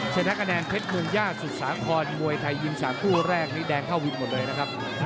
ชนะกระแนนเพชรเมืองย่าสุศาครมวยไทยยินส์๓กู้แรกแดงเข้าวิทย์หมดเลยนะครับ